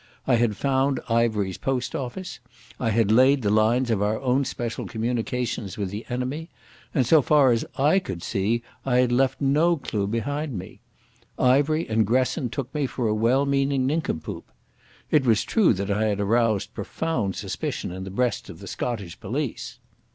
I had found Ivery's post office. I had laid the lines of our own special communications with the enemy, and so far as I could see I had left no clue behind me. Ivery and Gresson took me for a well meaning nincompoop. It was true that I had aroused profound suspicion in the breasts of the Scottish police.